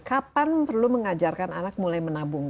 kapan perlu mengajarkan anak mulai menabung